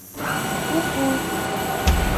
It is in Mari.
«Ку-ку!»